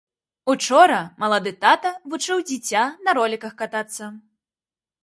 Учора малады тата вучыў дзіця на роліках катацца.